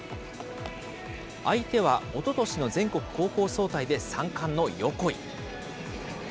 相手はおととしの全国高校総体で３冠の横井。